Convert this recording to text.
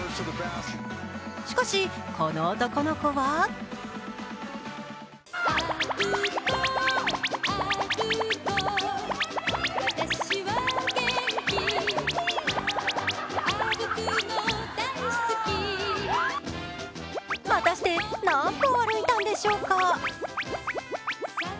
しかし、この男の子は果たして、何歩歩いたんでしょうか。